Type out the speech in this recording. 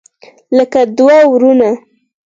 لکه دوه ورونه.